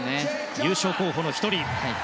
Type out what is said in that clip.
優勝候補の１人です。